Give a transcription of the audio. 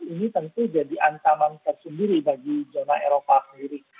ini tentu jadi ancaman tersendiri bagi zona eropa sendiri